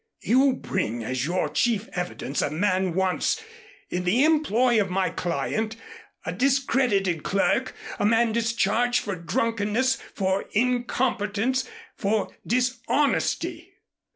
"You bring as your chief evidence a man once in the employ of my client, a discredited clerk, a man discharged for drunkenness, for incompetence, for dishonesty."